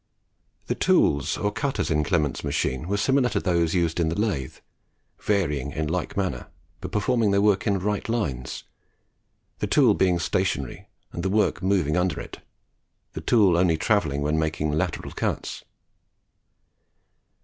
The tools or cutters in Clement's machine were similar to those used in the lathe, varying in like manner, but performing their work in right lines, the tool being stationary and the work moving under it, the tool only travelling when making lateral cuts.